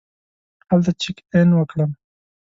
هلته چېک اېن وکړم.